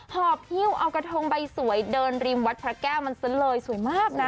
หอบฮิ้วเอากระทงใบสวยเดินริมวัดพระแก้วมันซะเลยสวยมากนะ